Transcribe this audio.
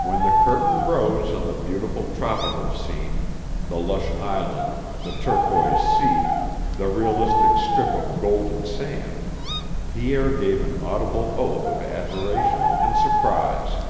When the curtain rose on the beautiful tropical scene, the lush island, the turquoise sea, the realistic strip of golden sand, Pierre gave an audible oath of admiration and surprise.